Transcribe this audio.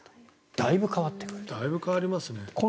だいぶ変わってくる。